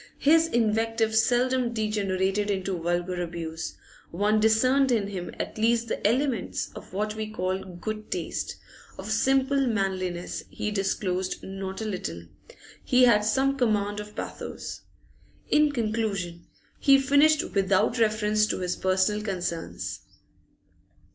His invective seldom degenerated into vulgar abuse; one discerned in him at least the elements of what we call good taste; of simple manliness he disclosed not a little; he had some command of pathos. In conclusion, he finished without reference to his personal concerns.